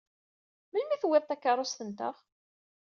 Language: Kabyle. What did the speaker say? Melmi i tewwiḍ takeṛṛust-nteɣ?